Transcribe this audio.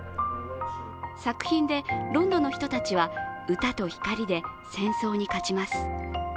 作品で、ロンドの人たちは歌と光で戦争に勝ちます。